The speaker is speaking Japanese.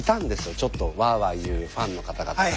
ちょっとワーワー言うファンの方々が。